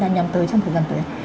đang nhằm tới trong thời gian tới